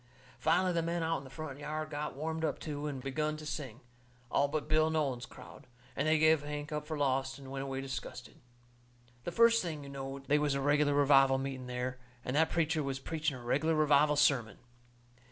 Finally the men out in the front yard got warmed up too, and begun to sing, all but Bill Nolan's crowd, and they give Hank up for lost and went away disgusted. The first thing you knowed they was a reg'lar revival meeting there, and that preacher was preaching a reg'lar revival sermon.